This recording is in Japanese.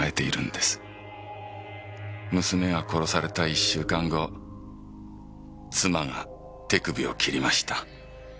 娘が殺された１週間後妻が手首を切りました。